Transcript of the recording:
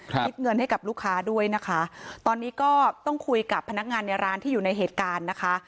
คิดเงินให้กับลูกค้าด้วยนะคะตอนนี้ก็ต้องคุยกับพนักงานในร้านที่อยู่ในเหตุการณ์นะคะ